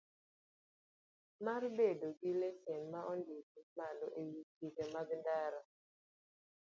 Mar bedo gi lesen ma ondik malo e wi chike mag ndara.